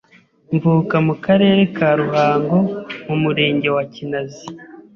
mvuka mu karere ka ruhango mu murenge wa kinazi